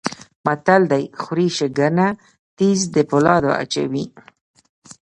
متل دی: خوري شکنه تیز د پولاو اچوي.